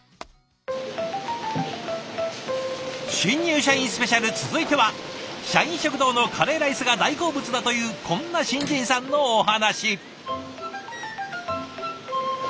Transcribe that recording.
「新入社員スペシャル」続いては社員食堂のカレーライスが大好物だというこんな新人さんのお話。